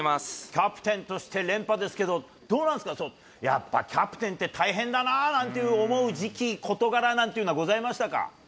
キャプテンとして、連覇ですけど、どうなんですか、やっぱキャプテンって大変だななんていう、思う時期、事柄なんていうのはございましたか。